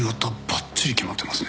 ばっちり決まってますね。